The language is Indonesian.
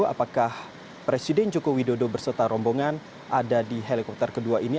apakah presiden joko widodo sedang disetujui